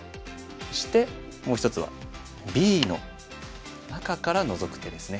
そしてもう一つはＢの中からノゾく手ですね。